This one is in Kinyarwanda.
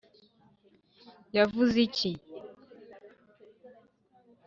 yavuze iki